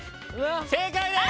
正解です！